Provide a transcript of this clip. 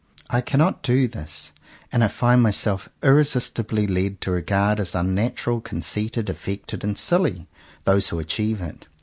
I cannot do this, and I find myself ir resistibly led to regard as unnatural, con ceited, affected, and silly, those who achieve it.